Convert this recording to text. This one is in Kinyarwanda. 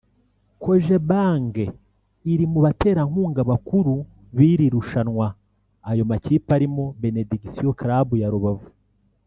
Cogebangue iri mu baterankunga bakuru b’iri rushanwa Ayo makipe arimo Benediction Club ya Rubavu